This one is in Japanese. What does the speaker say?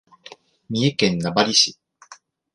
三重県名張市